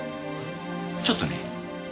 ちょっとね。